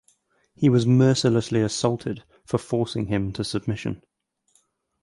He was mercilessly assaulted for forcing him to submission.